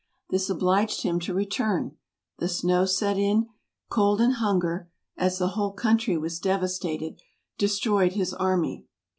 This obliged him to return: the snow set in, cold and hunger (as the whole country was devastated) destroyed his RUSSIA. 35 "V army.